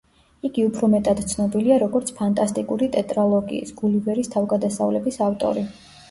იგი უფრო მეტად ცნობილია, როგორც ფანტასტიკური ტეტრალოგიის „გულივერის თავგადასავლების“ ავტორი.